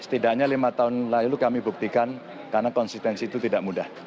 setidaknya lima tahun lalu kami buktikan karena konsistensi itu tidak mudah